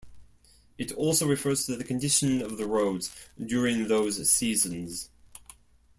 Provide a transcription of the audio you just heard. It also refers to the condition of the roads, during those seasons.